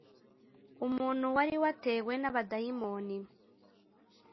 umuntu wari waratewe n abadayimoni